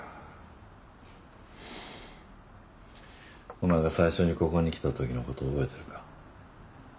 お前が最初にここに来た時のこと覚えてるか？